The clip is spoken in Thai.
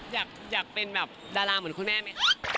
อยากอยากเป็นดาราเหมือนคุณแม่ไหม